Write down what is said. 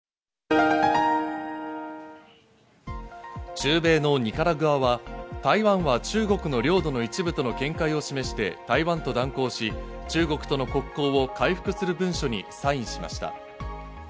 中米のニカラグアは、台湾は中国の領土の一部との見解を示して台湾と断交し、中国との国交を回復する文書にサインしました。